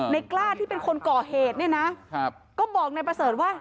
กล้าที่เป็นคนก่อเหตุเนี่ยนะก็บอกนายประเสริฐว่า